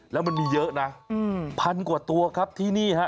แล้วมันมีเยอะนะพันกว่าตัวครับที่นี่ฮะ